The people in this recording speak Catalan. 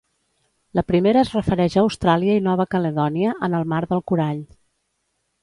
La primera es refereix a Austràlia i Nova Caledònia en el Mar del Corall.